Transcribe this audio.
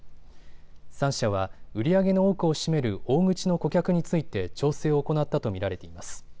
３社は売り上げの多くを占める大口の顧客について調整を行ったと見られています。